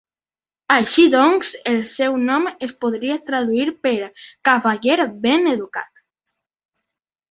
Així doncs, el seu nom es podria traduir per "cavaller ben educat".